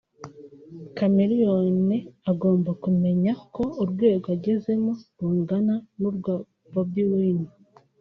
Chameleone agomba kumenya ko urwego agezeho rungana n’urwa Bobi Wine